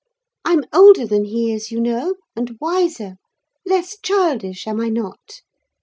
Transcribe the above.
I'm older than he is, you know, and wiser: less childish, am I not?